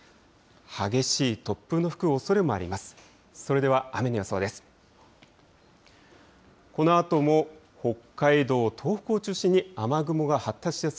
激しい突風の吹くおそれもあります。